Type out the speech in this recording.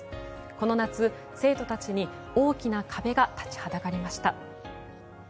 この夏、生徒たちに大きな壁が立ちはだかりました。